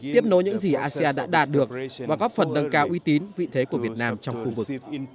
tiếp nối những gì asean đã đạt được và góp phần nâng cao uy tín vị thế của việt nam trong khu vực